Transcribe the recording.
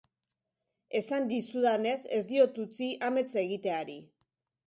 Esan dizudanez, ez diot utzi amets egiteari.